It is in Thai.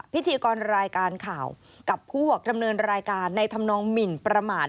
พิธีกรรายการข่าวกับพวกดำเนินรายการในธรรมนองหมินประมาท